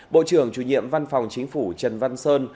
bộ trưởng chủ nhiệm văn phòng chính phủ trần văn sơn